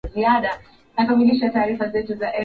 nurdin selumani amemuhoji john jingu mhadhiri